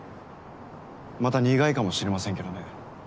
また苦いかもしれませんけどね。